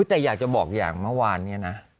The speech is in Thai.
แต่อยากจะบอกอย่างเมื่อวานเนี่ยนะ